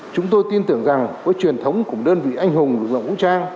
chúng tôi tin tưởng rằng với truyền thống của đơn vị anh hùng lực lượng vũ trang